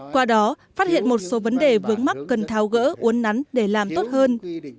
qua đó phát hiện một số vấn đề vướng mắt cần tháo gỡ uốn nắn để làm tốt hơn